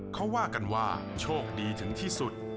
เขาว่ากันว่าโชคดีถึงที่สุด